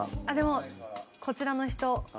あっでもこちらの人。